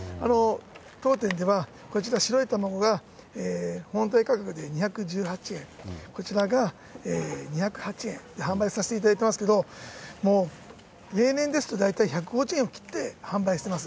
当店ではこちら、白い卵が本体価格で２１８円、こちらが２０８円で販売させていただいてますけど、もう例年ですと、大体１５０円切って販売してます。